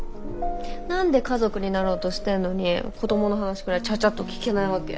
何で家族になろうとしてんのに子どもの話くらいちゃっちゃっと聞けないわけ？